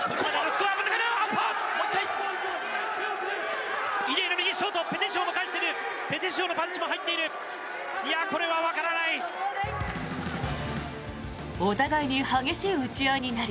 これはわからない！